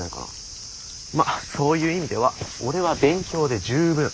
まあそういう意味では俺は勉強で十分。